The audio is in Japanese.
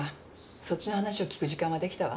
そっちの話を聞く時間はできたわ。